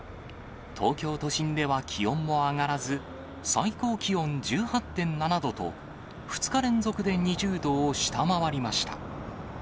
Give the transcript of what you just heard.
東京都心では気温も上がらず、最高気温１８．７度と、２日連続で２０度を下回りました。